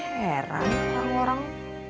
heran lah orang